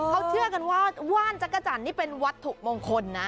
เขาเชื่อกันว่าว่านจักรจันทร์นี่เป็นวัตถุมงคลนะ